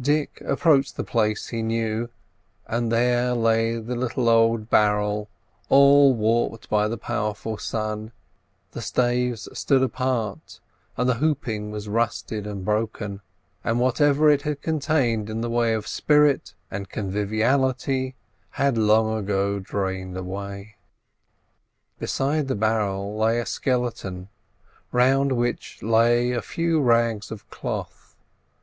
Dick approached the place he knew, and there lay the little old barrel all warped by the powerful sun; the staves stood apart, and the hooping was rusted and broken, and whatever it had contained in the way of spirit and conviviality had long ago drained away. Beside the barrel lay a skeleton, round which lay a few rags of cloth.